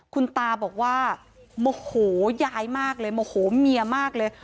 คุณตาบอกว่าโมโหยายมากเลยโมโหเมียมากเลย